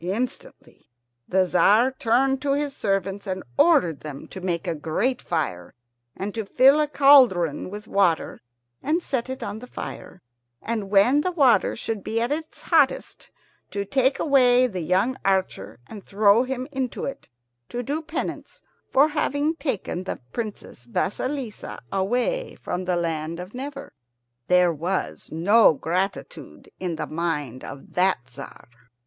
Instantly the Tzar turned to his servants and ordered them to make a great fire, and to fill a great cauldron with water and set it on the fire, and, when the water should be at its hottest, to take the young archer and throw him into it, to do penance for having taken the Princess Vasilissa away from the land of Never. There was no gratitude in the mind of that Tzar.